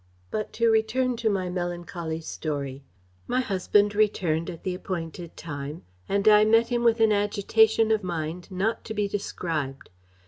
"But to return to my melancholy story. My husband returned at the appointed time; and I met him with an agitation of mind not to be described.